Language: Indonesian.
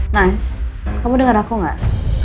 mas kamu denger aku gak